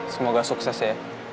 semoga sukses ya